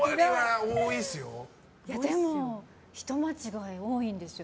でも、人間違い多いんですよ。